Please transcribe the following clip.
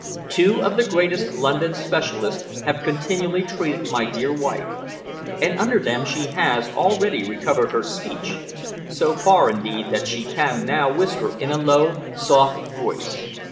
Two of the greatest London specialists have continually treated my dear wife, and under them she has already recovered her speech so far, indeed, that she can now whisper in a low, soft voice.